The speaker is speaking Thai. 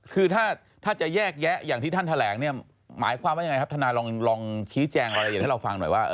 คือถ้าจะแยกแยะอย่างที่ท่านแถลงเนี่ยหมายความว่ายังไงครับทนายลองชี้แจงรายละเอียดให้เราฟังหน่อยว่า